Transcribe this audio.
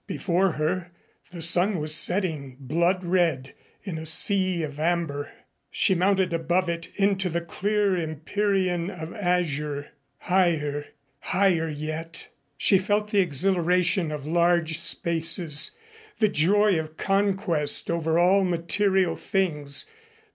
Before her the sun was setting blood red in a sea of amber. She mounted above it into the clear empyrean of azure, higher higher yet. She felt the exhilaration of large spaces, the joy of conquest over all material things.